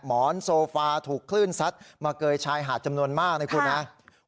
หมอนโซฟาถูกคลื่นซัดมาเกยชายหาดจำนวนมากนะครับ